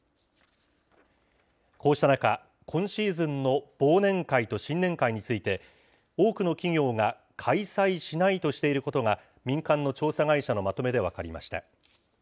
こうした中、今シーズンの忘年会と新年会について、多くの企業が開催しないとしていることが、民間の調査会社のまとめで分かりました。